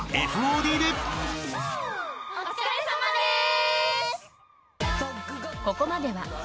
お疲れさまです！